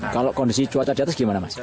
kalau kondisi cuaca di atas gimana mas